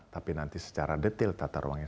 tapi nanti secara detail tata ruangnya